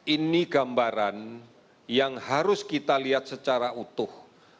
ini gambaran yang harus kita lihat secara utuh